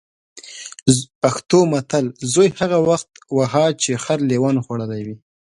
پښتو متل: زوی هغه وخت وهه چې خر لېوانو خوړلی وي.